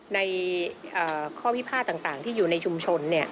ในข้อพิพาทต่างที่อยู่ในชุมชน